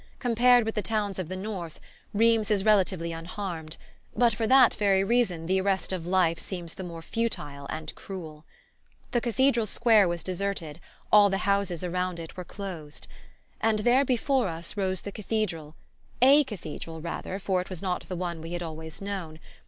Compared with the towns of the north, Rheims is relatively unharmed; but for that very reason the arrest of life seems the more futile and cruel. The Cathedral square was deserted, all the houses around it were closed. And there, before us, rose the Cathedral a cathedral, rather, for it was not the one we had always known.